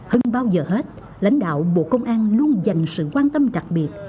hơn bao giờ hết lãnh đạo bộ công an luôn dành sự quan tâm đặc biệt